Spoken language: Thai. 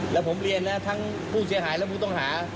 แล้วผมเรียนนะทั้งผู้เสียหายและผู้ต้องหา